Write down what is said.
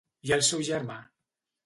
I el seu germà?